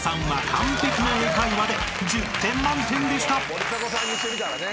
森迫さんにしてみたらね。